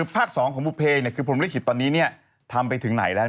ภาคสองของมุพเพเนี่ยคือพรหมลิขิตตอนนี้เนี่ยทำไปถึงไหนแล้ว